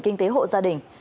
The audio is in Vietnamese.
kinh tế hộ gia đình